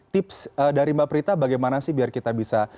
tips dari mbak prita bagaimana sih biar kita bisa